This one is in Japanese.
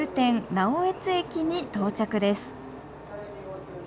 直江津駅に到着です